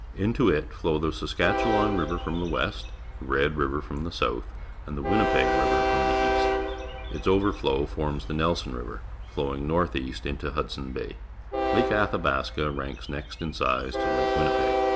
. Into it flow the Suskatclii irmi Uii Tr from the west, the Red River from the south, and. the Tri/mip£^ River from th e east. Its overflow forms the Nelson River, flowing n orth east into Hudson Bay. Lake Atliabaska ranks next in size to Lake Winnipeg.